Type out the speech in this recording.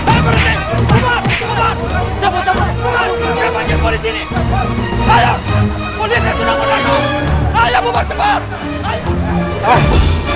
ayah bumpat cepat